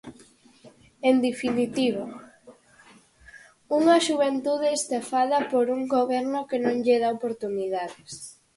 En definitiva, unha xuventude estafada por un goberno que non lle dá oportunidades.